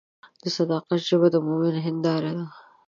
د صداقت ژبه د مؤمن هنداره ده.